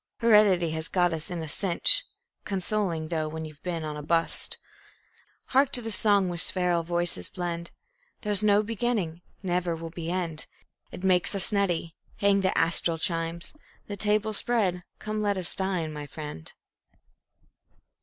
Heredity has got us in a cinch (Consoling thought when you've been on a "bust".) Hark to the song where spheral voices blend: "There's no beginning, never will be end." It makes us nutty; hang the astral chimes! The tables spread; come, let us dine, my friend.